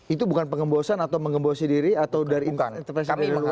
itu bukan pengembosan atau mengembosi diri atau dari intervensi dari luar